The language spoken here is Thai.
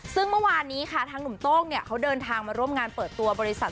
ซึ่งเมื่อวานนี้ค่ะทางหนุ่มโต้งเนี่ยเขาเดินทางมาร่วมงานเปิดตัวบริษัท